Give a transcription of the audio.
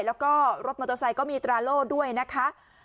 แล้วก็รถมอเตอร์ไซค์ก็มีตราโล่ด้วยนะคะ